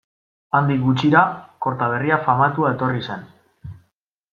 Handik gutxira, Kortaberria famatua etorri zen.